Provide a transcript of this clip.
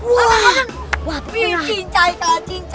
wah tapi cincay kak cincay